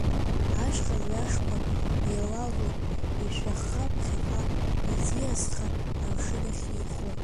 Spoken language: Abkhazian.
Ашьха рҩашқәа еилалоит ишәахха, ԥхьаҟа иӡиасха амшын ахь еихоит.